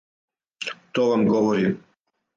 То вам говорим.